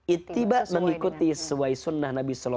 ittiba mengikuti suai sunnah nabi saw